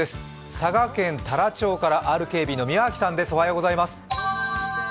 佐賀県太良町からＲＫＢの宮脇さんです。